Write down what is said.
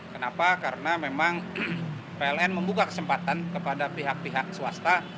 kenapa karena memang pln membuka kesempatan kepada pihak pihak swasta